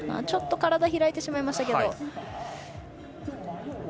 ちょっと体開いてしまいましたけど。